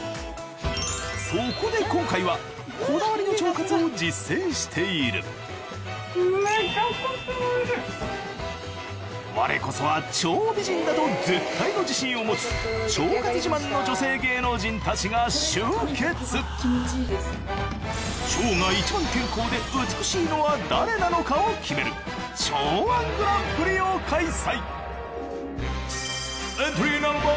そこで今回はこだわりの腸活を実践している我こそは腸美人だと絶対の自信を持つ腸がいちばん健康で美しいのは誰なのかを決める腸−１グランプリを開催